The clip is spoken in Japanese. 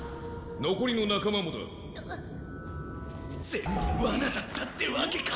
全部ワナだったってわけか。